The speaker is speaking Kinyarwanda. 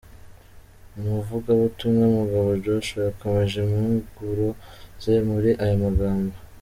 Umuvugabutumwa Mugabo Joshua yakomeje impuguro ze muri aya magambo: .